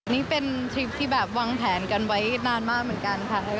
นี่เป็นทริปที่แบบวางแผนกันไว้นานมากเหมือนกันค่ะ